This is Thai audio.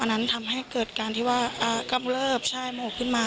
อันนั้นทำให้เกิดการที่ว่าอ่ากำลับใช่โมหกขึ้นมา